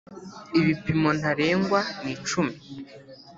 ibipimo ntarengwa nicumi.